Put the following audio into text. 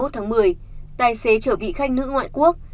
hai mươi một tháng một mươi tài xế chở vị khách nước ngoại quốc